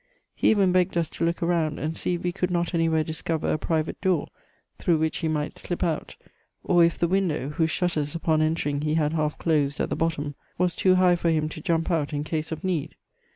He even begged us to look around and see if we could not anywhere discover a private door through which he might slip out, or if the window, whose shutters upon entering he had half closed at the bottom, was too high for him to jump out in case of need.